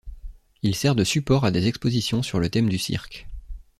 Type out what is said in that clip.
Il sert de support à des expositions sur le thème du cirque.